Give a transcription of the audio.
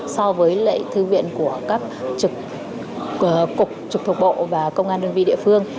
so với lệ thư viện của các trực cục trực thuộc bộ và công an đơn vị địa phương